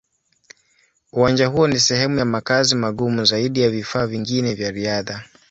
Uwanja huo ni sehemu ya makazi magumu zaidi ya vifaa vingine vya riadha.